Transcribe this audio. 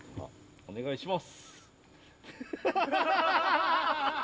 お願いします。